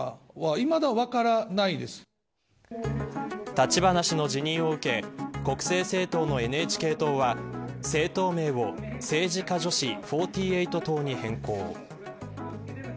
立花氏の辞任を受け国政政党のＮＨＫ党は政党名を政治家女子４８党に変更。